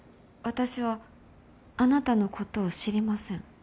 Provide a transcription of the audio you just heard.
私はあなたのことを知りません。